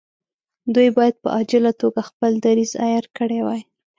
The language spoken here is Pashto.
دوی باید په عاجله توګه خپل دریځ عیار کړی وای.